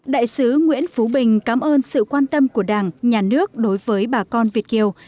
đại sứ nguyễn phú bình cảm ơn sự quan tâm của đảng nhà nước đối với bà con việt kiều